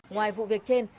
ngoài vụ việc trên